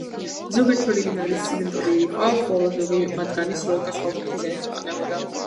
ზოგიერთი ორიგინალის იდენტური იყო, ხოლო ზოგი მათგანი სრულიად განსხვავებული დიზაინით ქვეყნდებოდა.